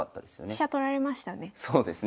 飛車取られましたね。